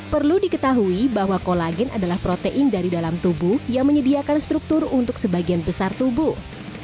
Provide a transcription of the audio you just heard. perlu diketahui bahwa kolagen adalah protein dari dalam tubuh yang menyediakan struktur untuk sebagian besar tubuh